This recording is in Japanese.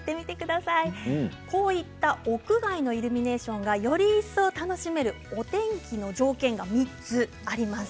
屋外のイルミネーションがより一層楽しめるお天気の条件が３つあります。